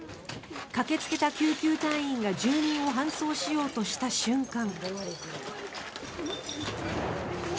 駆けつけた救急隊員が住民を搬送しようとした瞬間。